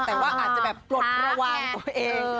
แต่ว่าอาจจะแบบปลดระวังตัวเอง